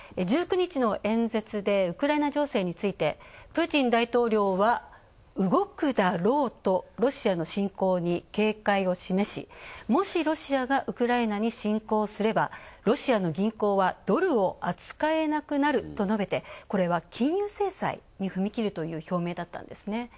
１９日の演説でウクライナ情勢についてプーチン大統領は「動くだろう」とロシアの侵攻に警戒を示しもしロシアがウクライナに侵攻すればロシアの銀行はドルを扱えなくなると述べてこれは金融制裁に踏み切るという表明だったんですね。